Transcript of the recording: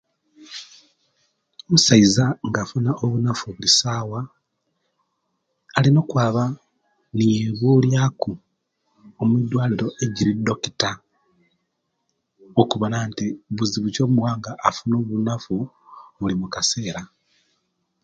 Omusaiza nga afuna obunafu bulisawa alina okwaba niyebuliaku omwidwaliro ejeri doctor okubona nti buzibu ki obumuwanga afuna obunafu buli mukasera